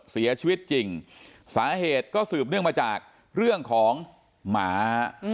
เสียชีวิตจริงสาเหตุก็สืบเนื่องมาจากเรื่องของหมา